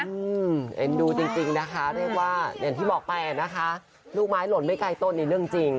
อืมเอ็นดูจริงนะคะได้ว่าเห็นที่บอกแปลนะคะลูกไม้หล่นไม่ไกลต้นอีกเรื่องจริง